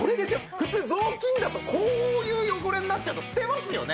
普通雑巾だとこういう汚れになっちゃうと捨てますよね？